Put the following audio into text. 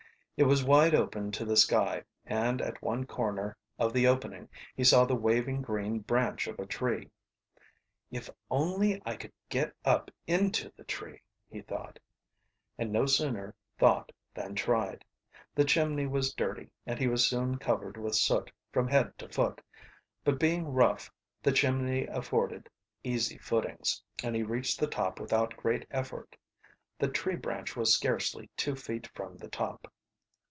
It was wide open to the sky, and at one corner of the opening he saw the waving green branch of a tree. "If I could only get up into the tree," he thought, and no sooner thought than tried. The chimney was dirty, and he was soon covered with soot from head to foot. But being rough the chimney afforded easy footings, and he reached the top without great effort. The tree branch was scarcely two feet from the top.